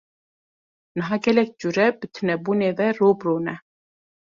Niha gelek cure bi tunebûnê ve rû bi rû ne.